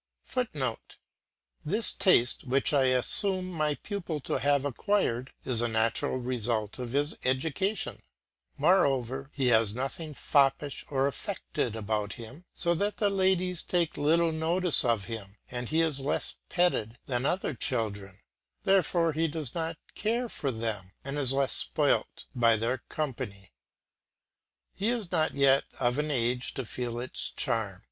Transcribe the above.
[Footnote: This taste, which I assume my pupil to have acquired, is a natural result of his education. Moreover, he has nothing foppish or affected about him, so that the ladies take little notice of him and he is less petted than other children; therefore he does not care for them, and is less spoilt by their company; he is not yet of an age to feel its charm.